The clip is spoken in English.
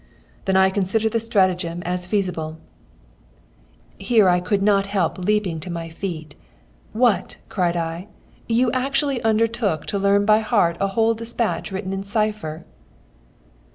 "'Then I consider the stratagem as feasible.'" Here I could not help leaping to my feet. "What!" cried I, "you actually undertook to learn by heart a whole despatch written in cipher?"